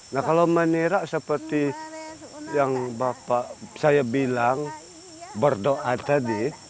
nah kalau menirak seperti yang bapak saya bilang berdoa tadi